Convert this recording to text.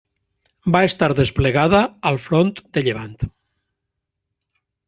Va estar desplegada al front de Llevant.